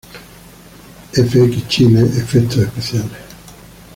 Fx Chile: Efectos especiales.